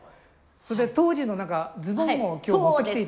それで当時の何かズボンを今日持ってきて。